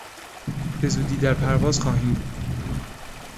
بزودی در پرواز خواهیم بود.